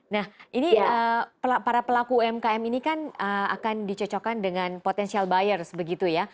nah ini para pelaku umkm ini kan akan dicocokkan dengan potential buyers begitu ya